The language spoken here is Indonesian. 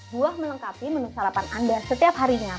buah melengkapi menu sarapan anda setiap harinya